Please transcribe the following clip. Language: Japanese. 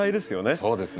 そうですね。